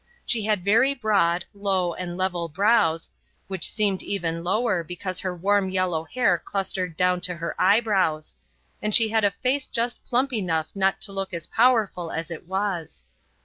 She had very broad, low, and level brows, which seemed even lower because her warm yellow hair clustered down to her eyebrows; and she had a face just plump enough not to look as powerful as it was.